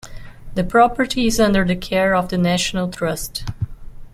The property is under the care of the National Trust.